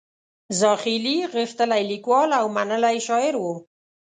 زاخیلي غښتلی لیکوال او منلی شاعر و.